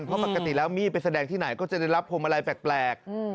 เพราะปกติแล้วมี่ไปแสดงที่ไหนก็จะได้รับพวงมาลัยแปลก